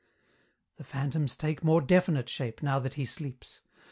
"The phantoms take more definite shape, now that he sleeps.